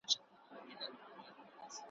لمر کرار کرار نیژدې سو د غره خواته `